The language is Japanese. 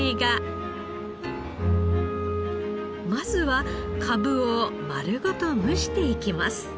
まずはかぶを丸ごと蒸していきます。